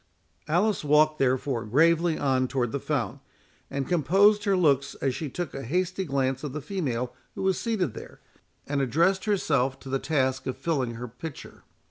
Alice walked, therefore, gravely on toward the fount, and composed her looks as she took a hasty glance of the female who was seated there, and addressed herself to her task of filling her pitcher.